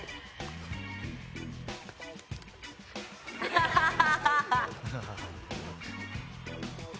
アハハハ！